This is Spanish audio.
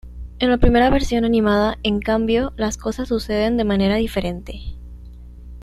En la primera versión animada, en cambio, las cosas suceden de manera diferente.